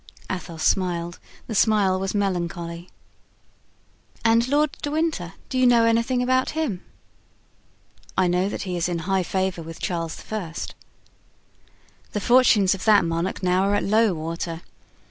Athos smiled; the smile was melancholy. "And Lord de Winter—do you know anything about him?" "I know that he is in high favor with Charles I." "The fortunes of that monarch now are at low water.